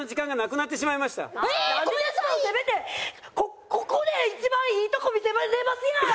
せめてここで一番いいとこ見せれますやん！